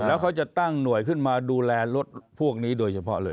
แล้วเขาจะตั้งหน่วยขึ้นมาดูแลรถพวกนี้โดยเฉพาะเลย